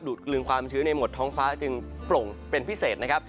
กลึงความชื้นในหมดท้องฟ้าจึงโปร่งเป็นพิเศษนะครับ